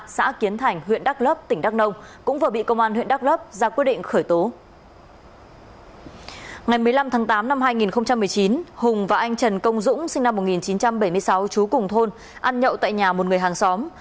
ngày một mươi năm tháng tám năm hai nghìn một mươi chín hùng và anh trần công dũng sinh năm một nghìn chín trăm bảy mươi sáu trú cùng thôn ăn nhậu tại nhà một người hàng xóm